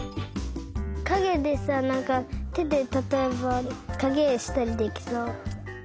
かげでさなんかてでたとえばかげえしたりできそう。